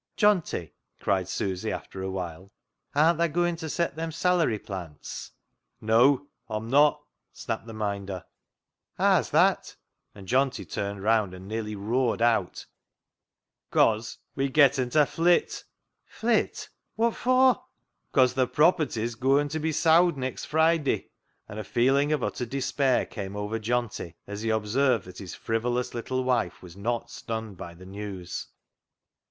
" Johnty," cried Susy, after a while, "art'na gooin' ta set them sallery plants ?"" Neaw, Aw'm not," snapped the Minder. " Haa's that ?" And Johnty turned round and nearly roared out —" 'Cause we're getten ta flit." " Flit ? Wot for ?"" 'Cause th' property's gooin' t' be sowd next Frid day," and a feeling of utter despair came over Johnty as he observed that his frivolous little wife was not stunned by the news.